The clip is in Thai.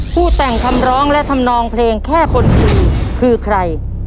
แต่งคำร้องและทำนองเพลงแค่คนอื่นคือใคร